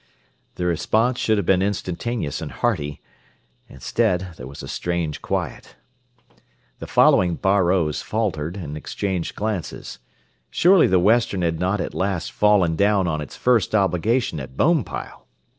The response should have been instantaneous and hearty. Instead there was a strange quiet. The following Bar O's faltered, and exchanged glances. Surely the Western had not at last "fallen down" on its first obligation at Bonepile!